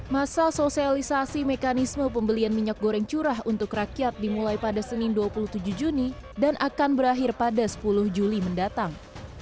masa sosialisasi mekanisme pembelian minyak goreng curah untuk rakyat dimulai pada senin dua puluh tujuh juni dan akan berakhir pada sepuluh juli mendatang